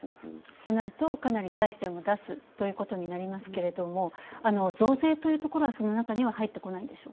となるとかなり財政も出すということになりますが、増税というのはそのなかには入ってこない？